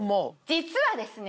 実はですね